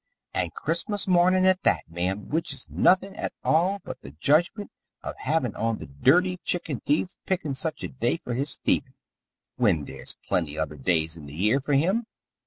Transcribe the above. And Christmas mornin' at that, ma'am, which is nothin' at all but th' judgment of hivin on th' dirty chicken thief, pickin' such a day for his thievin', when there's plenty other days in th' year for him.